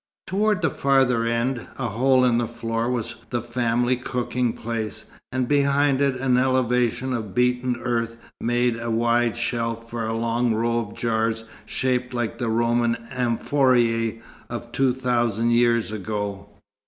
Toward the farther end, a hole in the floor was the family cooking place, and behind it an elevation of beaten earth made a wide shelf for a long row of jars shaped like the Roman amphoræ of two thousand years ago.